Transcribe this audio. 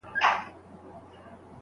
مثبتي خاطرې د ژوند ښکلا زیاتوي.